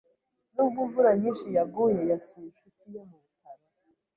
Nubwo imvura nyinshi yaguye, yasuye inshuti ye mu bitaro.